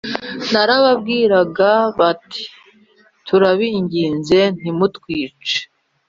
Barababwiraga bati turabinginze ntimutwice